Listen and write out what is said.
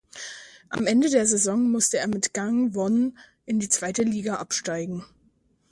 Am Ende der Saison musste er mit Gangwon in die zweite Liga absteigen.